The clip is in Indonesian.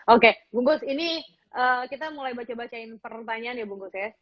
oke bung gus ini kita mulai baca bacain pertanyaan ya bung gus ya